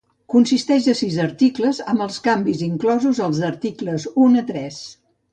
Consisteix de sis articles, amb els canvis inclosos als articles un a tres.